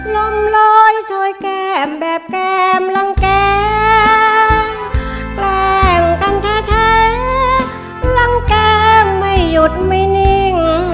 ลมลอยช่วยแก้มแบบแก้มลังแกล้งกันแท้ลังแก้มไม่หยุดไม่นิ่ง